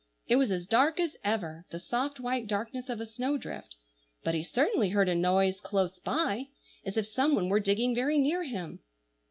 It was as dark as ever,—the soft, white darkness of a snowdrift; but he certainly heard a noise close by, as if some one were digging very near him.